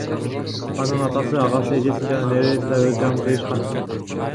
Анын атасы, агасы, эжеси жана небереси да өз жанын кыйышкан.